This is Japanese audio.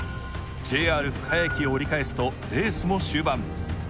ＪＲ深谷駅を折り返すとレースも終盤。